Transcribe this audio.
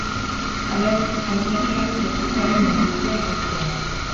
Alegia, lekukoaren agiri idatzia da.